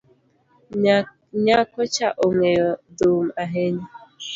Nyako cha ongeyo dhum ahinya